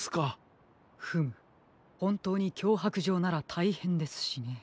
フムほんとうにきょうはくじょうならたいへんですしね。